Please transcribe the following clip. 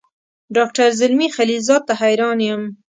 ډاکټر زلمي خلیلزاد ته حیران یم.